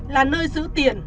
là nơi giữ tiền